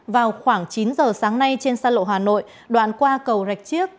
vào khoảng chín giờ sáng nay trên xa lộ hà nội đoạn qua cầu rạch chiếc